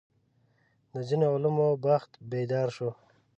د ځینو علومو بخت بیدار شو.